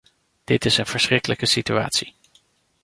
Dit is een verschrikkelijke situatie.